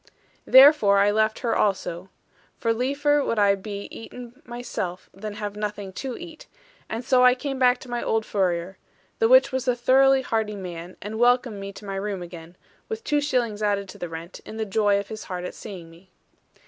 Therefore I left her also; for liefer would I be eaten myself than have nothing to eat; and so I came back to my old furrier; the which was a thoroughly hearty man, and welcomed me to my room again, with two shillings added to the rent, in the joy of his heart at seeing me.